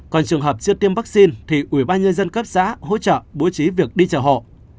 còn trường hợp chưa tiêm vaccine thì ubnd cấp xã hỗ trợ bố trí việc đi chợ họ